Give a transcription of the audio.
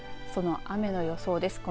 その雨の予想です。